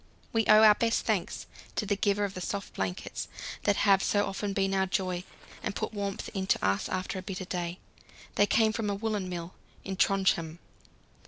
We owe our best thanks to the giver of the soft blankets that have so often been our joy and put warmth into us after a bitter day; they came from a woollen mill at Trondhjem.